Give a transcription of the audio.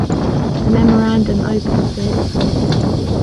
The memorandum opens with:'